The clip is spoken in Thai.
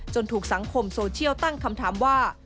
ถูกสังคมโซเชียลตั้งคำถามว่า